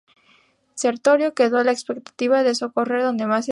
Sertorio quedó a la expectativa para socorrer donde más se lo necesitara.